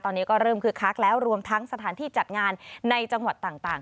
ตอนนี้ก็เริ่มคึกคักแล้วรวมทั้งสถานที่จัดงานในจังหวัดต่าง